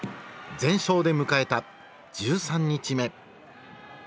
全勝で迎えた１３日目。